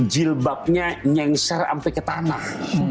jilbabnya nyengsar sampai ke tanah